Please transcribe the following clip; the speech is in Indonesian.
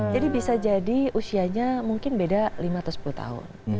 jadi bisa jadi usianya mungkin beda lima atau sepuluh tahun